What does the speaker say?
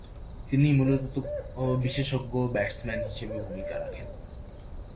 তিনি মূলতঃ বিশেষজ্ঞ ব্যাটসম্যান হিসেবে ভূমিকা রাখেন।